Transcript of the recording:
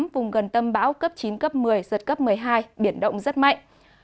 vùng gần tâm bão cấp chín cấp một mươi giật cấp một mươi hai biển động rất mạnh